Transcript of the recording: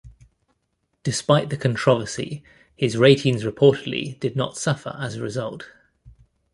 Despite the controversy, his ratings reportedly did not suffer as a result.